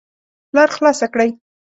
لار خلاصه کړئ